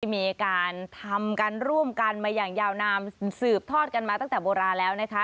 มีการทำกันร่วมกันมาอย่างยาวนามสืบทอดกันมาตั้งแต่โบราณแล้วนะคะ